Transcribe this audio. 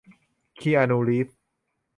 คีอานู รีฟส์